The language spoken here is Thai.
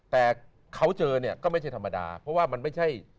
แต่เขาเจอเนี่ยก็ไม่ใช่ธรรมดาเพราะว่ามันไม่ใช่